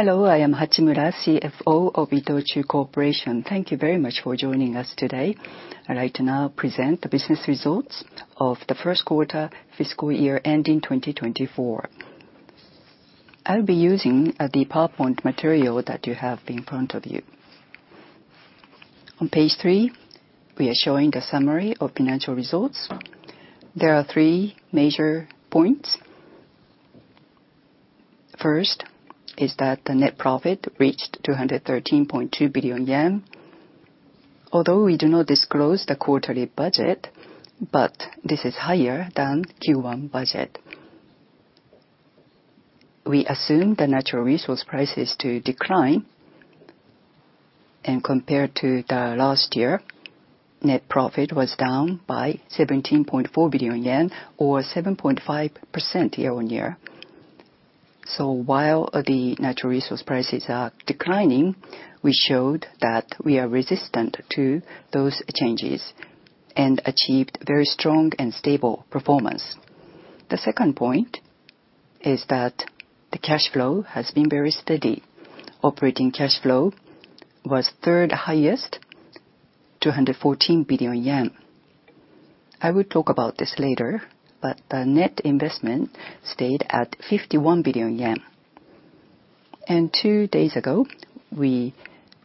Hello, I am Hachimura, CFO of ITOCHU Corporation. Thank you very much for joining us today. I'd like to now present the business results of the first quarter fiscal year ending 2024. I'll be using the PowerPoint material that you have in front of you. On page three, we are showing the summary of financial results. There are three major points. First is that the net profit reached 213.2 billion yen. Although we do not disclose the quarterly budget, this is higher than Q1 budget. We assume the natural resource prices to decline, compared to the last year, net profit was down by 17.4 billion yen, or 7.5% year-on-year. While the natural resource prices are declining, we showed that we are resistant to those changes and achieved very strong and stable performance. The second point is that the cash flow has been very steady. Operating cash flow was third highest, 214 billion yen. I will talk about this later, but the net investment stayed at 51 billion yen. Two days ago, we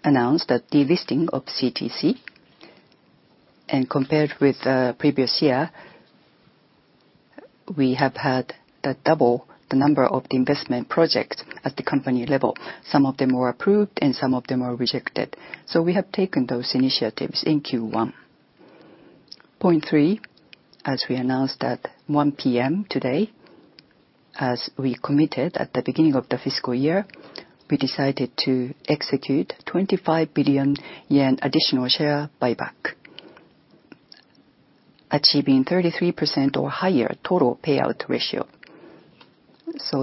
announced the delisting of CTC, and compared with the previous year, we have had double the number of investment projects at the company level. Some of them were approved and some of them were rejected. We have taken those initiatives in Q1. Point three, as we announced at 1:00 P.M. today, as we committed at the beginning of the fiscal year, we decided to execute 25 billion yen additional share buyback, achieving 33% or higher total payout ratio.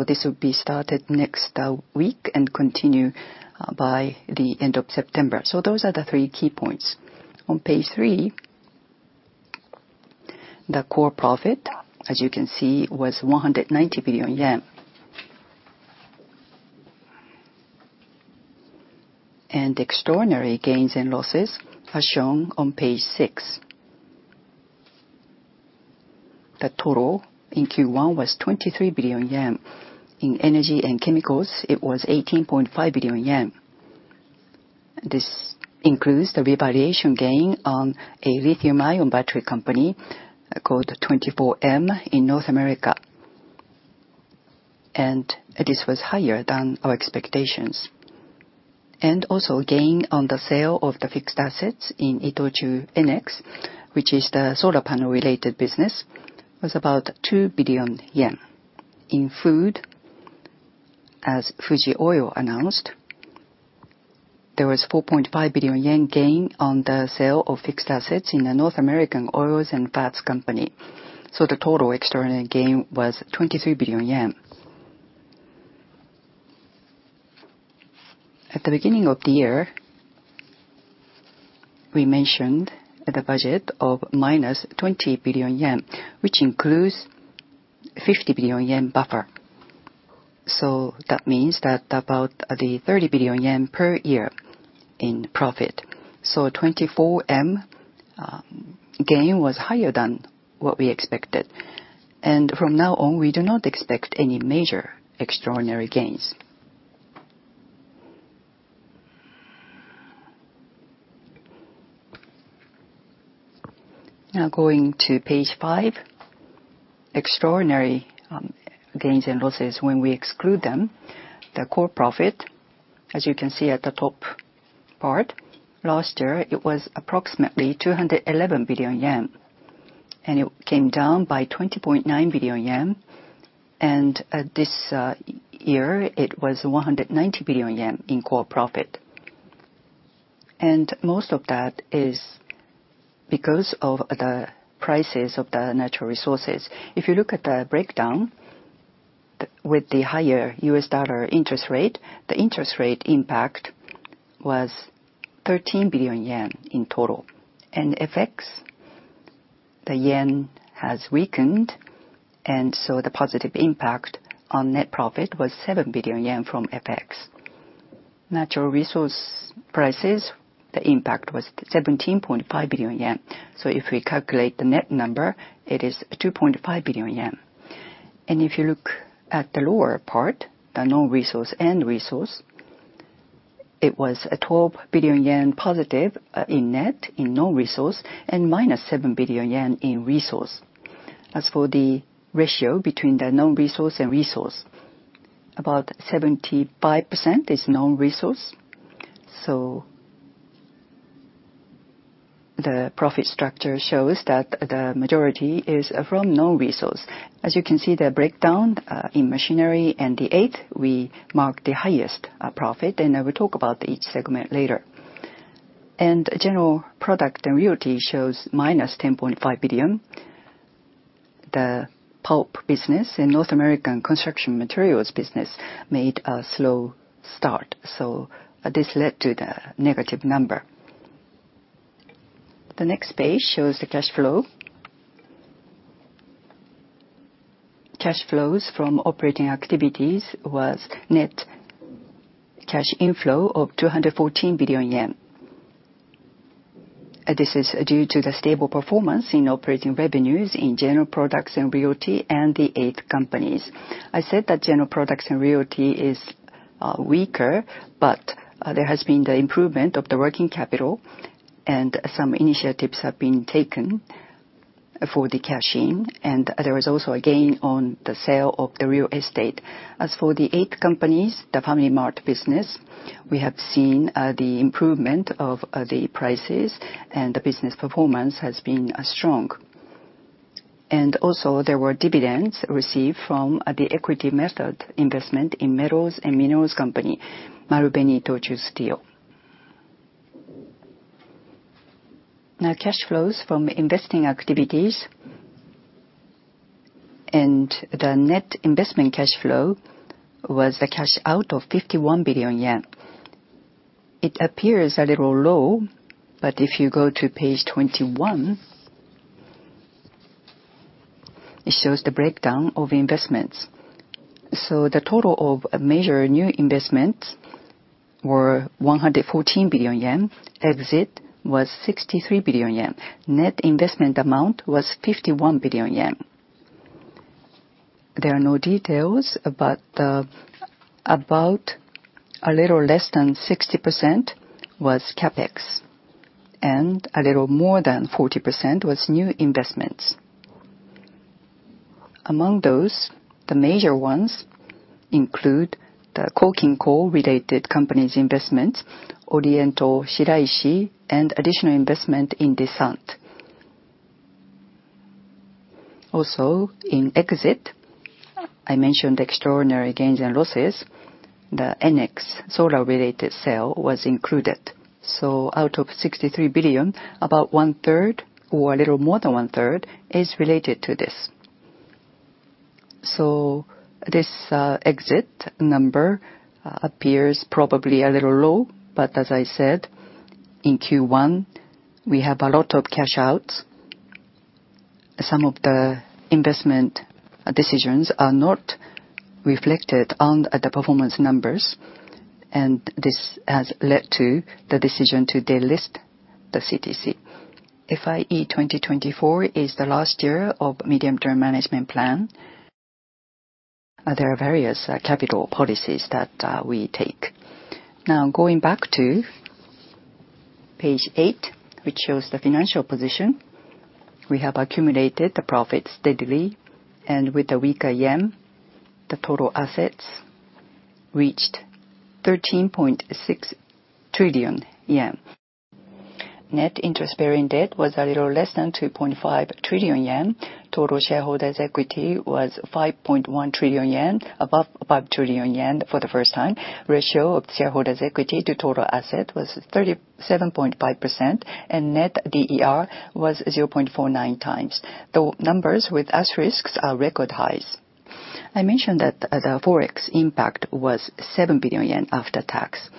This will be started next week and continue by the end of September. Those are the three key points. On page three, the core profit, as you can see, was 190 billion yen. Extraordinary gains and losses are shown on page six. The total in Q1 was 23 billion yen. In energy and chemicals, it was 18.5 billion yen. This includes the revaluation gain on a lithium-ion battery company called 24M in North America, and this was higher than our expectations. Also gain on the sale of the fixed assets in ITOCHU Enex, which is the solar panel-related business, was about 2 billion yen. In food, as Fuji Oil announced, there was 4.5 billion yen gain on the sale of fixed assets in a North American oils and fats company. The total extraordinary gain was 23 billion yen. At the beginning of the year, we mentioned the budget of -20 billion yen, which includes 50 billion yen buffer. That means that about the 30 billion yen per year in profit. 24M gain was higher than what we expected, and from now on, we do not expect any major extraordinary gains. Now going to page five, extraordinary gains and losses when we exclude them. The core profit, as you can see at the top part, last year it was approximately 211 billion yen, and it came down by 20.9 billion yen. This year, it was 190 billion yen in core profit, and most of that is because of the prices of the natural resources. If you look at the breakdown, with the higher US dollar interest rate, the interest rate impact was 13 billion yen in total. FX, the yen has weakened, the positive impact on net profit was 7 billion yen from FX. Natural resource prices, the impact was 17.5 billion yen. If we calculate the net number, it is 2.5 billion yen. If you look at the lower part, the non-resource and resource, it was a 12 billion yen positive in net in non-resource, and minus 7 billion yen in resource. As for the ratio between the non-resource and resource, about 75% is non-resource. The profit structure shows that the majority is from non-resource. As you can see, the breakdown in machinery and The 8th, we marked the highest profit, I will talk about each segment later. General Products & Realty shows minus 10.5 billion. The pulp business and North American construction materials business made a slow start, this led to the negative number. The next page shows the cash flow. Cash flows from operating activities was net cash inflow of 214 billion yen. This is due to the stable performance in operating revenues in General Products & Realty, and the Eight Companies. I said that General Products & Realty is weaker, there has been the improvement of the working capital, some initiatives have been taken for the cash in, there was also a gain on the sale of the real estate. As for the Eight Companies, the FamilyMart business, we have seen the improvement of the prices, the business performance has been strong. Also, there were dividends received from the equity method investment in metals and minerals company, Marubeni-Itochu Steel. Cash flows from investing activities and the net investment cash flow was the cash out of 51 billion yen. It appears a little low, if you go to page 21, it shows the breakdown of investments. The total of major new investments were 114 billion yen. Exit was 63 billion yen. Net investment amount was 51 billion yen. There are no details, about a little less than 60% was CapEx, and a little more than 40% was new investments. Among those, the major ones include the [Kokinko] related companies' investments, Oriental Shiraishi, and additional investment in DESCENTE. In exit, I mentioned extraordinary gains and losses. The Enex solar-related sale was included. Out of 63 billion, about one third, or a little more than one third, is related to this. This exit number appears probably a little low, but as I said, in Q1, we have a lot of cash outs. Some of the investment decisions are not reflected on the performance numbers. This has led to the decision to delist the CTC. FYE 2024 is the last year of medium-term management plan. There are various capital policies that we take. Going back to page eight, which shows the financial position, we have accumulated the profit steadily, and with the weaker yen, the total assets reached 13.6 trillion yen. Net interest-bearing debt was a little less than 2.5 trillion yen. Total shareholders' equity was 5.1 trillion yen, above 5 trillion yen for the first time. Ratio of shareholders' equity to total asset was 37.5%, and NET DER was 0.49 times. The numbers with asterisks are record highs. I mentioned that the Forex impact was 7 billion yen after tax.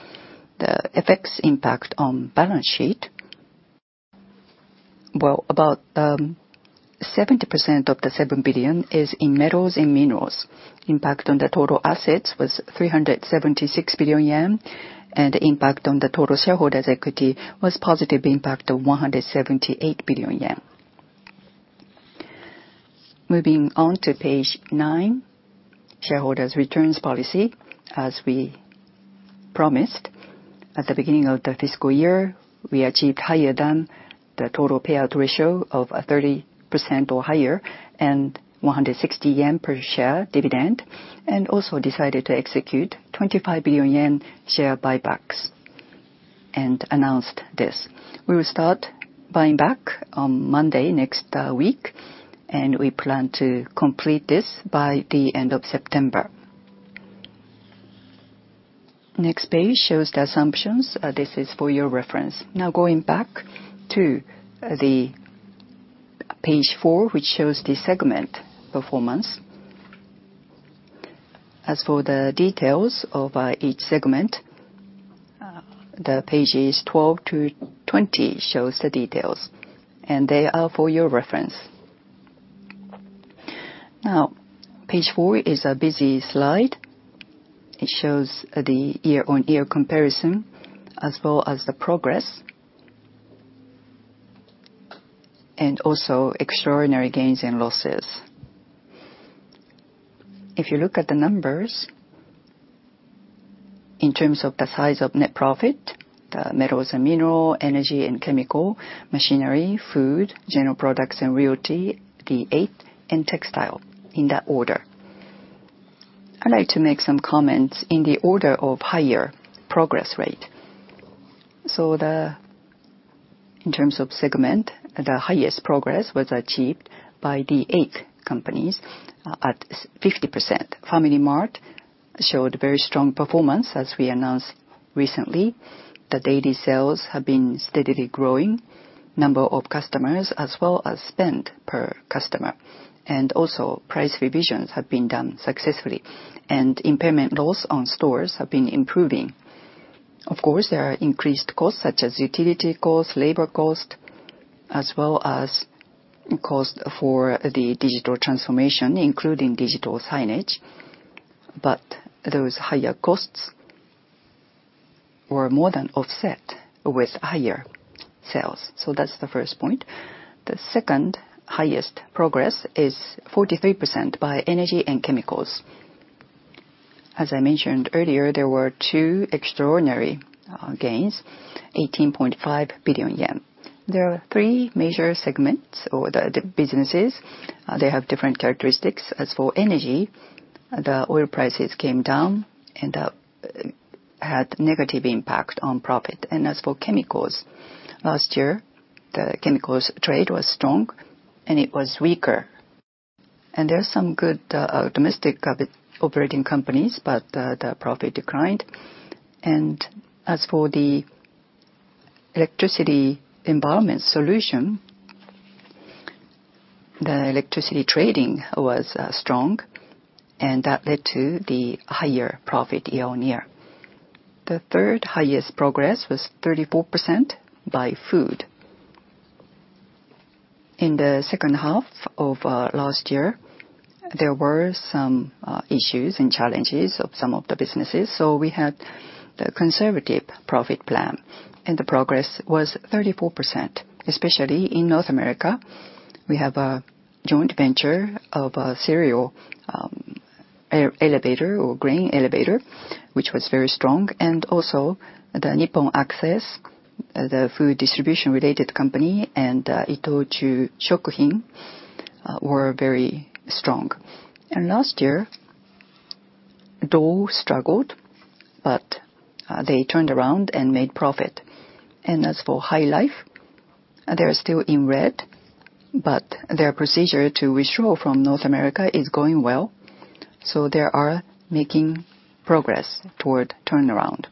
The effects impact on balance sheet, well, about, 70% of the 7 billion is in metals and minerals. Impact on the total assets was 376 billion yen, and impact on the total shareholders' equity was positive impact of 178 billion yen. Moving on to page nine, shareholders' returns policy. As we promised, at the beginning of the fiscal year, we achieved higher than the total payout ratio of 30% or higher, and 160 yen per share dividend, and also decided to execute 25 billion yen share buybacks, and announced this. We will start buying back on Monday, next week, and we plan to complete this by the end of September. Next page shows the assumptions. This is for your reference. Now, going back to Page four, which shows the segment performance. As for the details of each segment, the pages 12 to 20 shows the details, and they are for your reference. Now, Page four is a busy slide. It shows the year-on-year comparison, as well as the progress, and also extraordinary gains and losses. If you look at the numbers, in terms of the size of net profit, the Metals and Mineral, Energy and Chemical, Machinery, Food, General Products & Realty, The 8th, and Textile, in that order. I'd like to make some comments in the order of higher progress rate. In terms of segment, the highest progress was achieved by The 8th Company at 50%. FamilyMart showed very strong performance, as we announced recently, the daily sales have been steadily growing, number of customers as well as spend per customer, and also price revisions have been done successfully, and impairment loss on stores have been improving. Of course, there are increased costs, such as utility costs, labor cost, as well as cost for the digital transformation, including digital signage. Those higher costs were more than offset with higher sales. That's the first point. The second highest progress is 43% by energy and chemicals. As I mentioned earlier, there were two extraordinary gains, 18.5 billion yen. There are three major segments or the businesses, they have different characteristics. As for energy, the oil prices came down and had negative impact on profit. As for chemicals, last year, the chemicals trade was strong, and it was weaker. There are some good domestic operating companies, but the profit declined. As for the electricity environment solution, the electricity trading was strong, and that led to the higher profit year-on-year. The third highest progress was 34% by food. In the second half of last year, there were some issues and challenges of some of the businesses, so we had the conservative profit plan, and the progress was 34%. Especially in North America, we have a joint venture of a cereal elevator or grain elevator, which was very strong, and also the Nippon Access, the food distribution-related company, and ITOCHU-SHOKUHIN were very strong. Last year, Dole struggled, but they turned around and made profit. As for HyLife, they're still in red, but their procedure to withdraw from North America is going well, so they are making progress toward turnaround.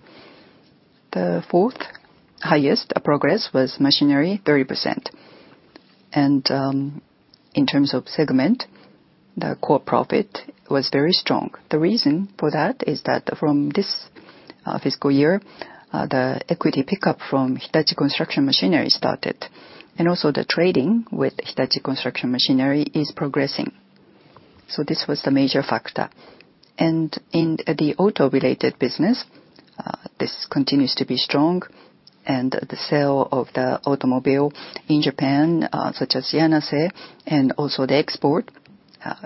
The 4th highest progress was machinery, 30%. In terms of segment, the core profit was very strong. The reason for that is that from this fiscal year, the equity pickup from Hitachi Construction Machinery started, and also the trading with Hitachi Construction Machinery is progressing. This was the major factor. In the auto-related business, this continues to be strong, and the sale of the automobile in Japan, such as Yanase, and also the export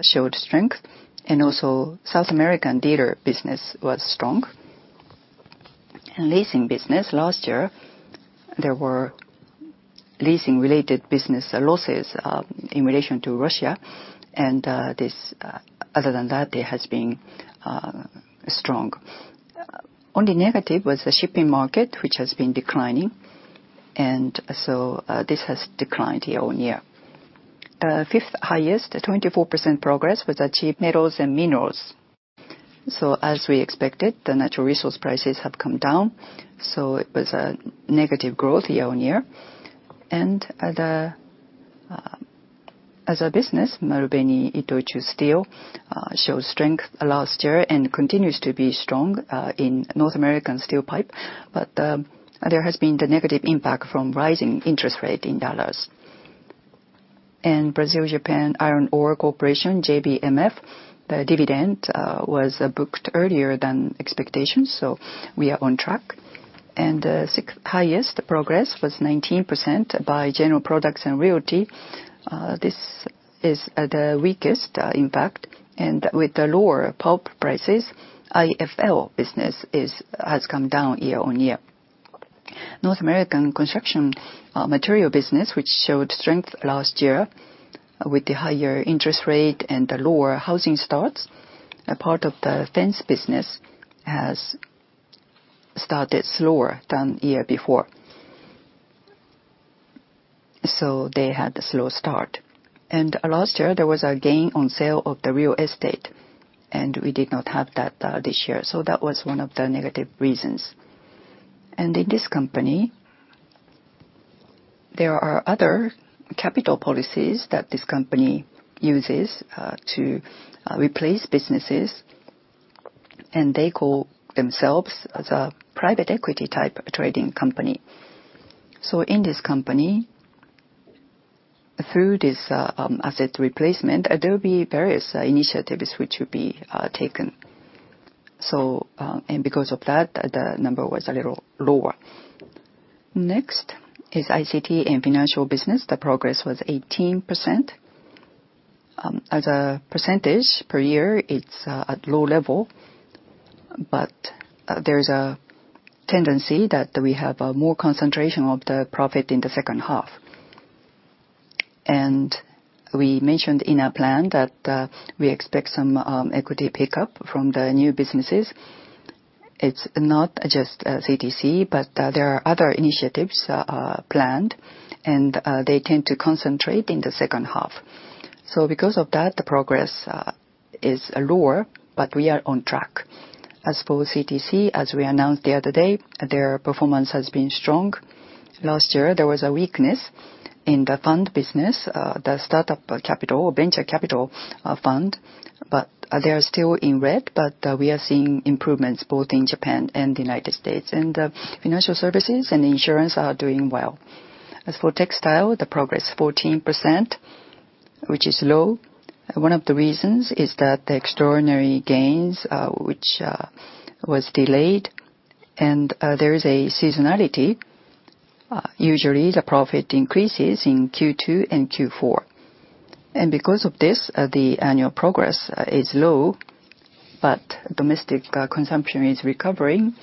showed strength, and also South American dealer business was strong. Leasing business, last year, there were leasing-related business losses in relation to Russia, and this, other than that, it has been strong. Only negative was the shipping market, which has been declining, so this has declined year-on-year. The fifth highest, 24% progress, was achieved metals and minerals. As we expected, the natural resource prices have come down, so it was a negative growth year-on-year. The, as a business, Marubeni-Itochu Steel showed strength last year and continues to be strong in North American steel pipe, but there has been the negative impact from rising interest rate in dollars. NIBRASCO, the dividend was booked earlier than expectations, so we are on track. Sixth highest progress was 19% by General Products & Realty. This is the weakest impact, with the lower pulp prices, IFL business has come down year-on-year. North American construction material business, which showed strength last year, with the higher interest rate and the lower housing starts, a part of the fence business has started slower than the year before. They had a slow start. Last year, there was a gain on sale of the real estate, and we did not have that this year. That was one of the negative reasons. In this company, there are other capital policies that this company uses to replace businesses. They call themselves as a private equity type of trading company. In this company, through this asset replacement, there will be various initiatives which will be taken. Because of that, the number was a little lower. Next is ICT and Financial Business. The progress was 18%. As a percentage per year, it's at low level, but there's a tendency that we have a more concentration of the profit in the second half. We mentioned in our plan that we expect some equity pickup from the new businesses. It's not just CTC, but there are other initiatives planned, and they tend to concentrate in the second half. Because of that, the progress is lower, but we are on track. As for CTC, as we announced the other day, their performance has been strong. Last year, there was a weakness in the fund business, the startup capital, venture capital, fund, but they are still in red, but we are seeing improvements both in Japan and the United States. Financial services and insurance are doing well. As for textile, the progress 14%, which is low. One of the reasons is that the extraordinary gains, which was delayed, and there is a seasonality. Usually, the profit increases in Q2 and Q4. Because of this, the annual progress is low, but domestic consumption is recovering.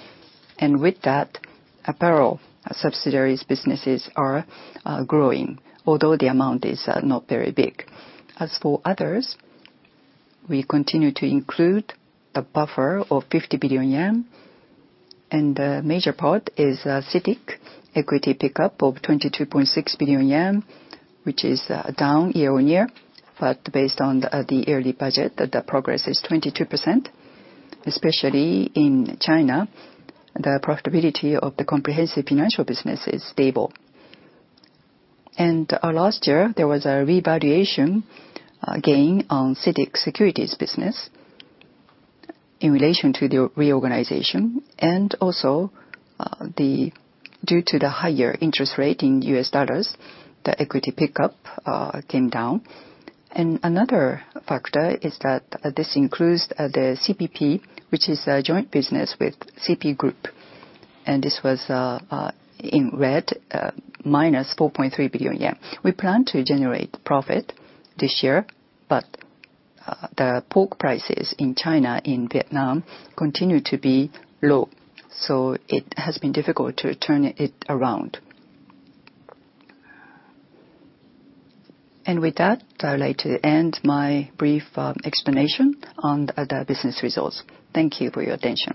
With that, apparel subsidiaries businesses are, are growing, although the amount is not very big. As for others, we continue to include the buffer of 50 billion yen, and the major part is CITIC equity pickup of 22.6 billion yen, which is down year-on-year. Based on the yearly budget, the progress is 22%. Especially in China, the profitability of the comprehensive financial business is stable. Last year, there was a revaluation gain on CITIC Securities business in relation to the reorganization, and also, due to the higher interest rate in the US dollar, the equity pickup came down. Another factor is that this includes the CPP, which is a joint business with CP Group, and this was in red, minus 4.3 billion yen. We plan to generate profit this year, but the pork prices in China, in Vietnam, continue to be low, so it has been difficult to turn it around. With that, I would like to end my brief explanation on the business results. Thank you for your attention.